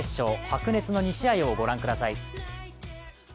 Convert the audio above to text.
白熱の２試合を御覧ください。